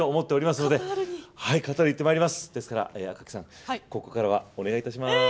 なので赤木さん、ここからはお願いいたします！